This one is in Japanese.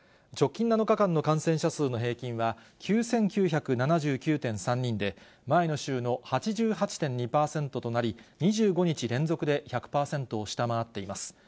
直近７日間の感染者数の平均は、９９７９．３人で、前の週の８８．２％となり、２５日連続で１００％を下回っています。